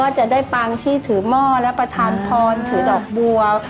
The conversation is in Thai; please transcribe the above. เราก็จะได้ปังที่ถือหม้อและประทานพรถือดอกบัวเหมือนโปยซับอะไรอย่างนี้ค่ะ